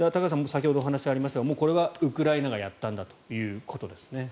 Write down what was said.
先ほどもお話がありましたがこれはウクライナがやったということですね。